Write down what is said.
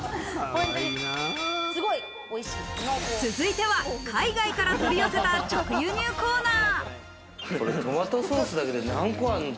続いては海外から取り寄せた直輸入コーナー。